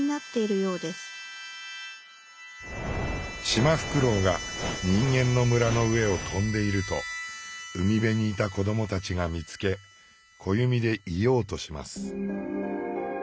シマフクロウが人間の村の上を飛んでいると海辺にいた子どもたちが見つけ小弓で射ようとします。